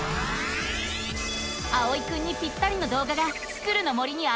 あおいくんにぴったりのどうがが「スクる！の森」にあらわれた。